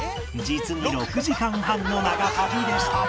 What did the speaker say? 実に６時間半の長旅でした